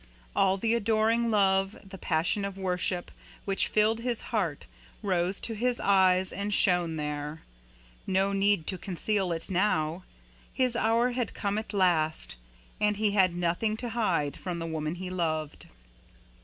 All the adoring love, the passion of worship, which filled his heart, rose to his eyes and shone there. No need to conceal it now. His hour had come at last, and he had nothing to hide from the woman he loved.